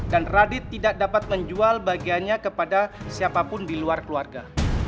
dan radit tidak dapat menjual bagiannya kepada siapapun di luar keluarga